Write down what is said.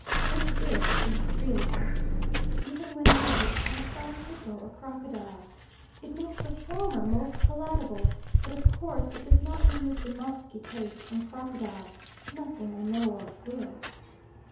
This dish is really excellent, even when made with python, hippo, or crocodile. It makes the former most palatable; but of course it does not remove the musky taste from crocodile; nothing I know of will.